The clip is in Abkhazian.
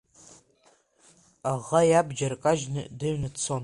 Аӷа иабџьар кажьны, дыҩны дцон.